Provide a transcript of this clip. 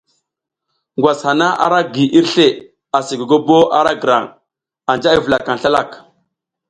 Ngwas hana ara gi irsle asi gogobo ara grang, anja i vulakang slalak.